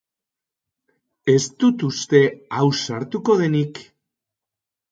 Ez dut uste ausartuko denik.